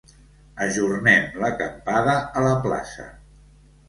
Ajornem l'acampada a la plaça.